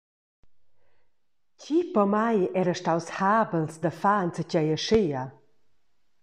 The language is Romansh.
Tgi pomai era staus habels da far enzatgei aschia?